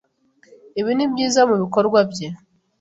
Ibi nibyiza mubikorwa bye.